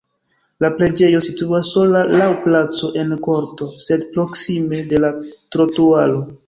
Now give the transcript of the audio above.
La preĝejo situas sola laŭ placo en korto, sed proksime de la trotuaro.